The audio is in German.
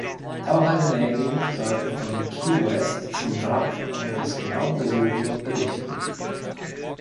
Taucher der Navy sollten von Key West zum Wrack und es genau untersuchen und berichten.